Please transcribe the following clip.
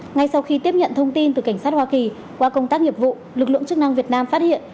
ngay sau khi tiếp nhận thông tin từ cảnh sát hoa kỳ qua công tác nghiệp vụ lực lượng chức năng việt nam phát hiện